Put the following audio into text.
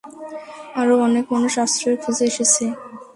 আরও অনেক মানুষ আশ্রয়ের খোঁজে এসেছে।